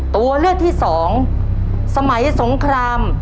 ตัวเลือกที่สองสมัยสงคราม